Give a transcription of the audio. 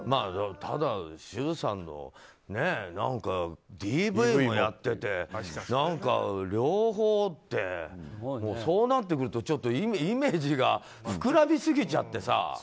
ただ周さんの、ＤＶもやってて何か、両方ってそうなってくるとイメージが膨らみすぎちゃってさ。